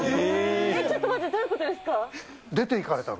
ちょっと待って、どういうこ出て行かれたの。